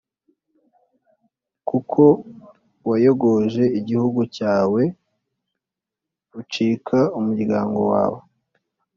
kuko wayogoje igihugu cyawe, ukica umuryango wawe: